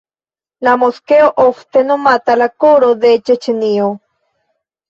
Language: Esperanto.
La moskeo ofte nomata "la koro de Ĉeĉenio".